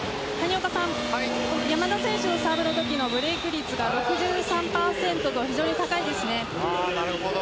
山田選手のサーブのときのブレーク率が６３％と非常に高いんです。